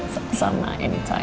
sama sama setiap saat